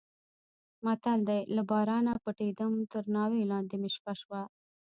متل دی: له بارانه پټېدم تر ناوې لاندې مې شپه شوه.